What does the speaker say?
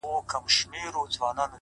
• اوس په ځان پوهېږم چي مين يمه ـ